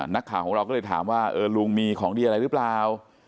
นักข่าวของเราก็เลยถามว่าเออลุงมีของดีอะไรหรือเปล่า